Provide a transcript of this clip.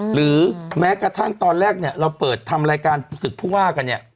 หรือแม้กระทั่งตอนแรกเราเปิดทำรายการศึกพูดว่ากัน